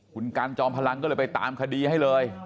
คุณกันจอมพลังก็เลยไปตามคดีให้เลย